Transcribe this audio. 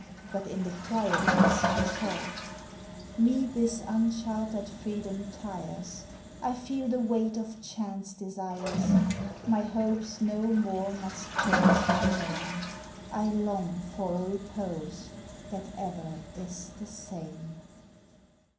Hut in the quietness of thought; Me this unchartered freedom tires; I feel the weight of chance desires, My hopes no more must change their name, I long for a repose that ever is the same.